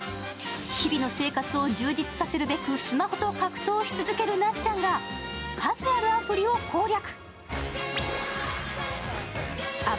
日々の生活を充実させるべくスマホと格闘し続けるなっちゃんがなっちゃんが数あるアプリを攻略。